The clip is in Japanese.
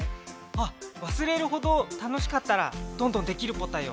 あっわすれるほど楽しかったらどんどんできるポタよ。